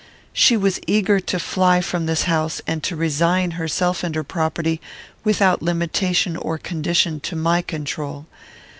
She was eager to fly from this house, and to resign herself and her property, without limitation or condition, to my control.